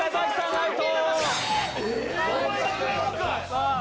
アウト！